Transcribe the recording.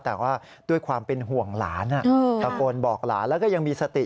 แต่ว่าด้วยความเป็นห่วงหลานตะโกนบอกหลานแล้วก็ยังมีสติ